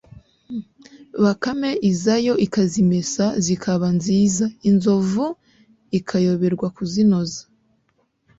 bakame izayo ikazimesa zikaba nziza inzovu ikayoberwa kuzinoza